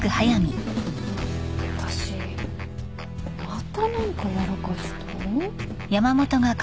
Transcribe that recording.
私また何かやらかした？